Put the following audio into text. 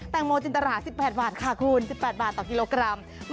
งโมจินตรา๑๘บาทค่ะคุณ๑๘บาทต่อกิโลกรัม